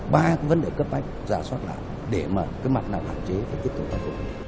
ba cái vấn đề cấp bách giả soát lại để mà cái mặt nào hạn chế phải tiếp tục khắc phục